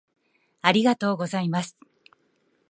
ありがとうございます